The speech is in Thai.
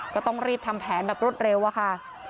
ก็ต้องรีบทำแผนแบบรวดเร็วอะค่ะ